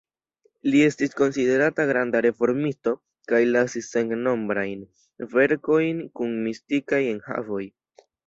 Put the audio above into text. Li estis konsiderata granda reformisto kaj lasis sennombrajn verkojn kun mistikaj enhavoj.